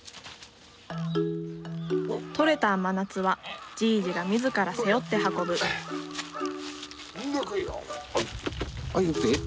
とれた甘夏はじいじが自ら背負って運ぶどっこいしょ。